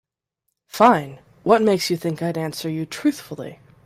Fine, what makes you think I'd answer you truthfully?